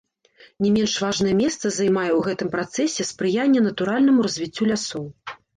Не менш важнае месца займае ў гэтым працэсе спрыянне натуральнаму развіццю лясоў.